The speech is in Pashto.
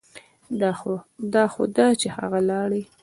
دا خو ده چې هغه لاړې.